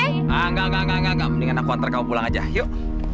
enggak enggak enggak mendingan aku antar kau pulang aja yuk